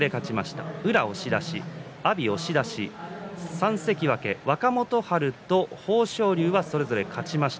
３関脇、若元春と豊昇龍それぞれ勝ちました。